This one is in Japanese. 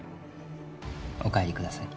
お帰りください